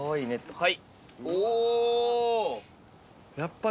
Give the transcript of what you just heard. はい。